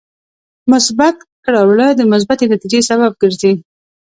مثبت کړه وړه د مثبتې نتیجې سبب ګرځي.